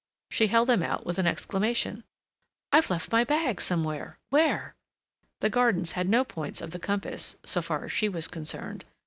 She held them out with an exclamation. "I've left my bag somewhere—where?" The gardens had no points of the compass, so far as she was concerned.